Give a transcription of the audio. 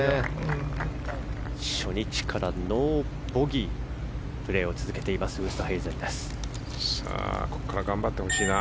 初日からノーボギーでプレーを続けているウーストヘイゼン。